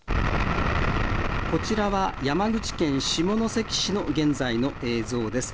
こちらは山口県下関市の現在の映像です。